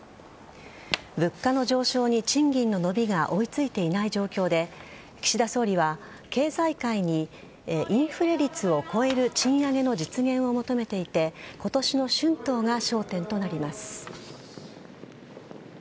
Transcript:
物価の上昇に賃金の伸びが追いついていない状況で岸田総理は、経済界にインフレ率を超える賃上げの実現を求めていて今年の春闘が焦点となります。